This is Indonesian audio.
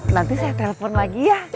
nanti saya telepon lagi ya